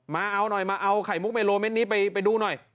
มาเอาหน่อยมาเอาไข่มุกเมโลเม็ดนี้ไปดูหน่อย